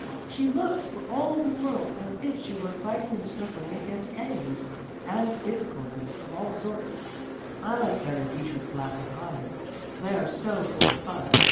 She looks for all the world as if she were fighting and struggling against enemies and difficulties of all sorts. I like better Dietrich's laughing eyes; they are so full of fun.